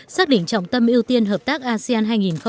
xác định trọng tâm ưu tiên hợp tác asean hai nghìn một mươi tám